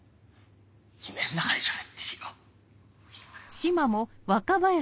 夢の中でしゃべってるよ。